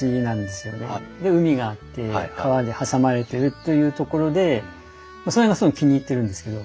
で海があって川で挟まれてるというところでそれがすごい気に入ってるんですけど。